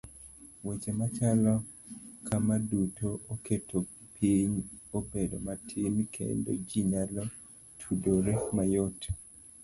Weche machalo kama duto oketo piny obedo matin kendo ji nyalo tudore mayot.